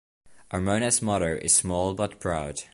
Armona's motto is "Small But Proud".